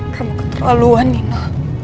kamu keterlaluan nina